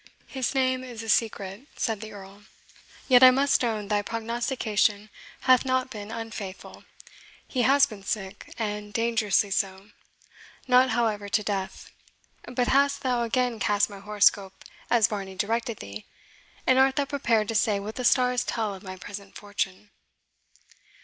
"His name is a secret," said the Earl; "yet, I must own, thy prognostication hath not been unfaithful. He has been sick, and dangerously so, not, however, to death. But hast thou again cast my horoscope as Varney directed thee, and art thou prepared to say what the stars tell of my present fortune?"